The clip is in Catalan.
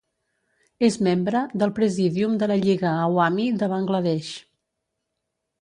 És membre del Presidium de la Lliga Awami de Bangladesh.